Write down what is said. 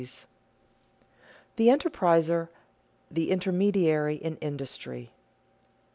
[Sidenote: The enterpriser the intermediary in industry] 5.